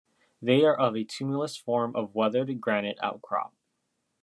They are of a 'tumulus' form of weathered granite outcrop.